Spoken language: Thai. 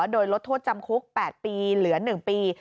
โดยลดโทษจำคุก๘ปีเหลือ๑ปี